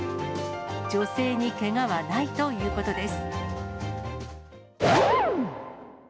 女性にけがはないということです。